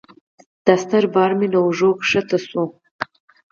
دا ستر بار مې له اوږو کوز شو.